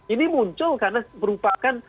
ini muncul karena merupakan